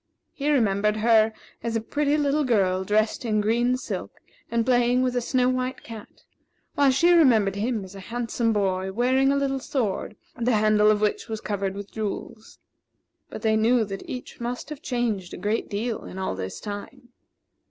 He remembered her as a pretty little girl dressed in green silk and playing with a snow white cat; while she remembered him as a handsome boy, wearing a little sword, the handle of which was covered with jewels. But they knew that each must have changed a great deal in all this time.